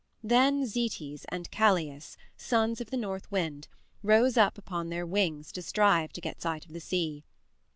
Then Zetes and Calais, sons of the North Wind, rose up upon their wings to strive to get sight of the sea.